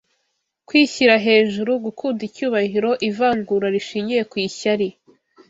Kwishyira hejuru, gukunda icyubahiro, ivangura rishingiye ku ishyari